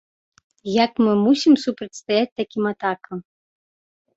Як мы мусім супрацьстаяць такім атакам?